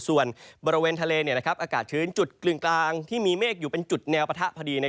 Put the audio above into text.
ส่วนบริเวณทะเลอากาศชื้นจุดกึ่งกลางที่มีเมฆอยู่เป็นจุดแนวปะทะพอดี